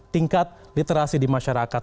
tingkat literasi di masyarakat